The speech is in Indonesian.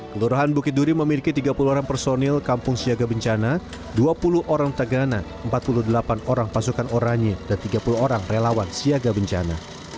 kelurahan bukit duri memiliki tiga puluh orang personil kampung siaga bencana dua puluh orang tagana empat puluh delapan orang pasukan oranye dan tiga puluh orang relawan siaga bencana